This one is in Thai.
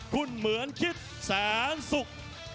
คุณเหมือนคิดแสนสุข